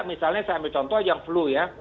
misalnya saya ambil contoh yang flu ya